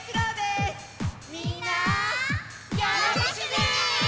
みんなよろしくね！